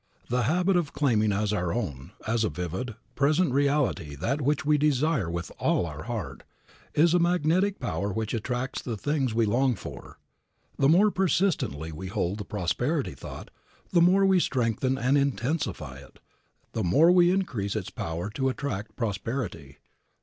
The habit of claiming as our own, as a vivid, present reality that which we desire with all our heart, is a magnetic power which attracts the things we long for. The more persistently we hold the prosperity thought, the more we strengthen and intensify it, the more we increase its power to attract prosperity.